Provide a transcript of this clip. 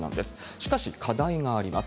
しかし、課題があります。